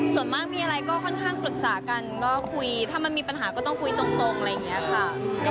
ส่วนมากมีอะไรก็ค่อนข้างปรึกษากันก็คุยถ้ามันมีปัญหาก็ต้องคุยตรงอะไรอย่างนี้ค่ะ